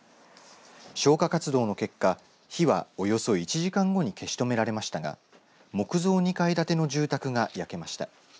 消火活動の結果火は、およそ１時間後に消し止められましたが木造２階建ての住宅が焼けました。